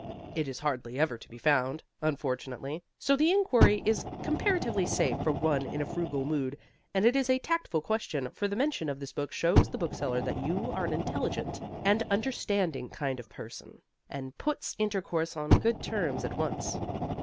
It is hardly ever to be found (unfortunately), so the inquiry is comparatively safe for one in a frugal mood; and it is a tactful question, for the mention of this book shows the bookseller that you are an intelligent and understanding kind of person, and puts intercourse on good terms at once.